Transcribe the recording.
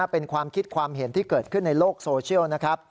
เป็นความคิดความเห็นที่เกิดขึ้นในโลกโซเชียลนะครับ